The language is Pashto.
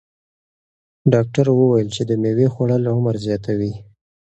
ډاکتر وویل چې د مېوې خوړل عمر زیاتوي.